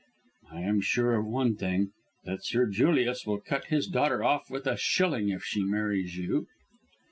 "I am sure of one thing, that Sir Julius will cut his daughter off with a shilling if she marries you."